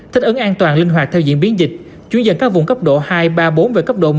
thích ứng an toàn linh hoạt theo diễn biến dịch chuyển dần các vùng cấp độ hai ba bốn và cấp độ một